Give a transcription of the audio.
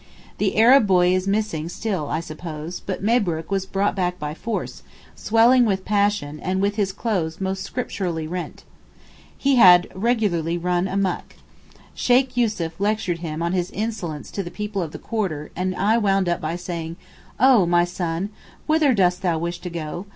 The Arab boy is missing still I suppose, but Mabrook was brought back by force, swelling with passion, and with his clothes most scripturally 'rent.' He had regularly 'run amuck.' Sheykh Yussuf lectured him on his insolence to the people of the quarter, and I wound up by saying, 'Oh my son! whither dost thou wish to go?